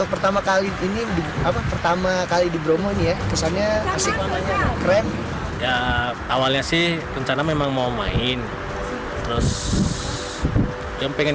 pak kesannya gimana